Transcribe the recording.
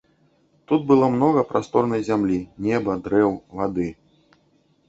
Тут было многа прасторнай зямлі, неба, дрэў, вады.